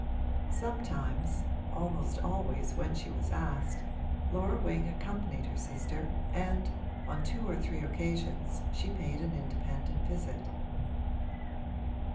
Sometimes (almost always when she was asked) Laura Wing accompanied her sister and on two or three occasions she paid an independent visit.